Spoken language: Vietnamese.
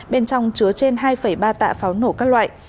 bên trong chứa trên hai ba tạ pháo nổ các loại